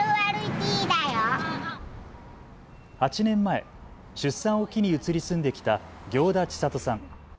８年前、出産を機に移り住んできた行田千里さん。